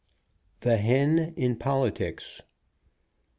THE HEN IN POLITICS.